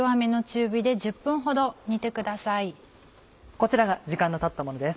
こちらが時間のたったものです。